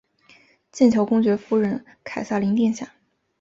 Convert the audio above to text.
剑桥公爵夫人凯萨琳殿下。